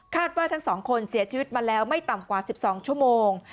ว่าทั้ง๒คนเสียชีวิตมาแล้วไม่ต่ำกว่า๑๒ชั่วโมง